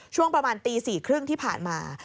ช่วงประมาณตี๔๓๐ที่ผ่านมา